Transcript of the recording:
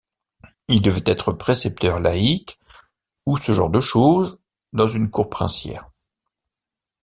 Il devait être précepteur laïc ou ce genre de chose dans une cour princière.